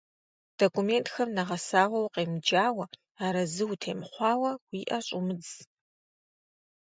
Документхэм нэгъэсауэ укъемыджауэ, арэзы утемыхъуауэ, уи ӏэ щӏумыдз.